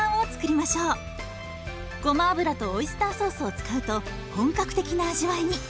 ごま油とオイスターソースを使うと本格的な味わいに！